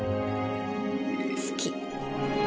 好き。